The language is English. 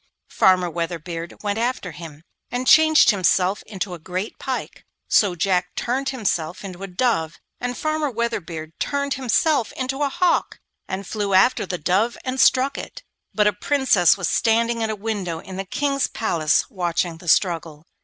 Farmer Weatherbeard went after him, and changed himself into a great pike. So Jack turned himself into a dove, and Farmer Weatherbeard turned himself into a hawk, and flew after the dove and struck it. But a Princess was standing at a window in the King's palace watching the struggle.